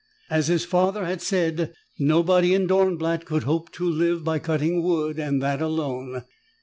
As his father had said, nobody in Dornblatt could hope to live by cutting wood and that alone.